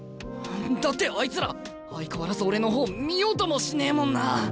だってあいつら相変わらず俺の方見ようともしねえもんな。